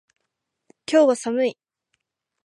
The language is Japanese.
今日は寒い。